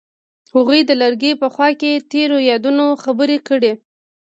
هغوی د لرګی په خوا کې تیرو یادونو خبرې کړې.